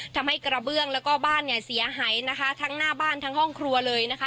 ทำให้กระเบื้องแล้วก็บ้านเนี่ยเสียหายนะคะทั้งหน้าบ้านทั้งห้องครัวเลยนะคะ